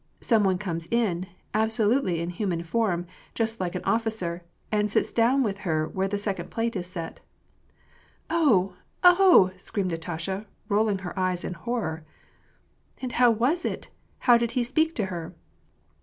Some one comes in, absolutely in human form, just like an officer, and sits down with her where the second plate is set." " Oh ! oh !" screamed Natasha, rolling her eyes in horror. " And how was it — how did he speak to her